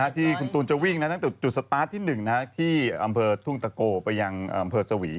ที่คุณตูนจะวิ่งนะจุดสตาร์ทที่หนึ่งที่อำเภอทุวงตะโก้ไปยังอำเภอสวี